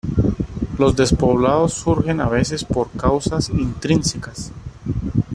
Los despoblados surgen a veces por causas intrínsecas.